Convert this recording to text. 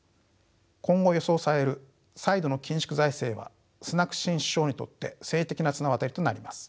今後予想される再度の緊縮財政はスナク新首相にとって政治的な綱渡りとなります。